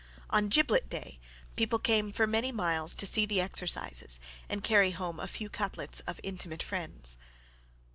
On Giblet Day people came for many miles to see the exercises and carry home a few cutlets of intimate friends.